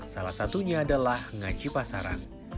salah satunya adalah ngaji pasaran